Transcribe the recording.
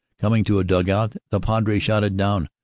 Coming to a dug out, the Padre shouted down.